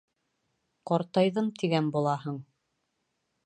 — Ҡартайҙым тигән булаһың.